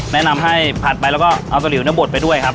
แนะนำให้ผัดไปแล้วก็เอาตะหลิวบดไปด้วยครับ